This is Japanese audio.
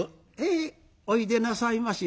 「ええおいでなさいまし。